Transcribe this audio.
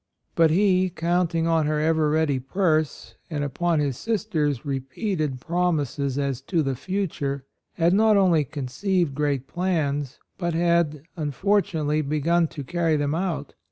But he, counting on her ever ready purse, and upon his sister's repeated promises as to the future, had not only conceived great plans, but had unfortunately begun to carry them out.